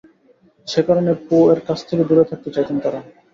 সে কারণে পো-এর কাছ থেকে দূরে থাকতে চাইতেন তারা।